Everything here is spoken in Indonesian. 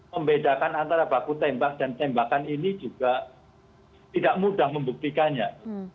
membedakan antara baku tembak dan tembakan ini juga tidak mudah membuktikannya